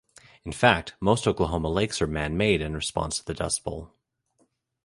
In fact, most Oklahoma lakes are man-made in response to the Dust Bowl.